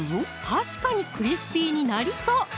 確かにクリスピーになりそう！